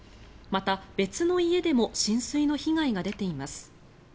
また、別の家でも浸水の被害が出ています。